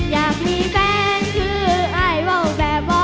อยากมีแฟนคือไอ้เบาแบบบ่